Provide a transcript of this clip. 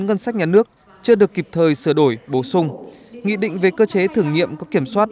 ngân sách nhà nước chưa được kịp thời sửa đổi bổ sung nghị định về cơ chế thử nghiệm có kiểm soát